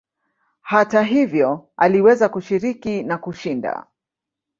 Hata hivyo aliweza kushiriki na kushinda.